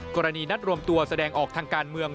นัดรวมตัวแสดงออกทางการเมือง